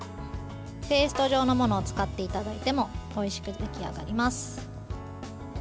ペースト状のものを使っていただいてもおいしく出来上がります。